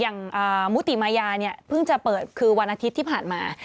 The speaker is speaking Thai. อย่างมุติมายาเนี่ยเพิ่งจะเปิดคือวันอาทิตย์ที่ผ่านมา